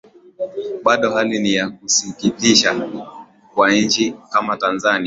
Bado hali ni ya kusikitisha kwa nchi kama Tanzania